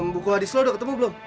buku hadis lo udah ketemu belum